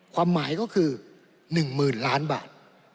ความหมายก็คือ๑๐๐๐ล้านบาท